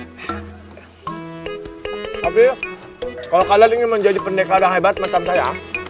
tapi kalau kalian ingin menjadi pendekar yang hebat mantan saya